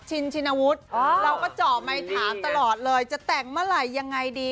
ชินชินวุฒิเราก็เจาะใหม่ถามตลอดเลยจะแต่งเมลัยยังไงดี